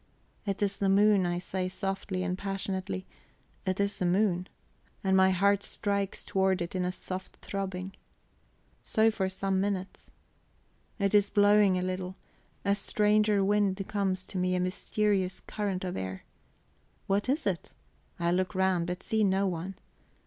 "It is the moon!" I say softly and passionately; "it is the moon!" and my heart strikes toward it in a soft throbbing. So for some minutes. It is blowing a little; a stranger wind comes to me a mysterious current of air. What is it? I look round, but see no one.